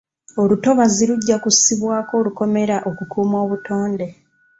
Olutobazi lujja kussibwako olukomera okukuuma obutonde.